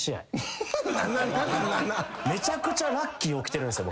めちゃくちゃラッキー起きてるんですよ